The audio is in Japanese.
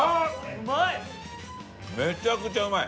うまい！